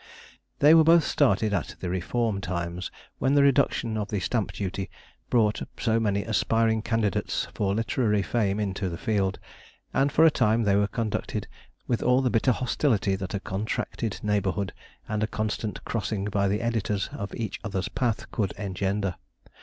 They were both started at the reform times, when the reduction of the stamp duty brought so many aspiring candidates for literary fame into the field, and for a time they were conducted with all the bitter hostility that a contracted neighbourhood, and a constant crossing by the editors of each other's path, could engender.